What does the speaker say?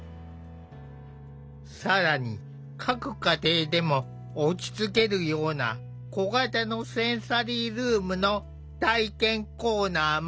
更に各家庭でも落ち着けるような小型のセンサリールームの体験コーナーも。